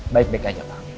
baik baik aja pak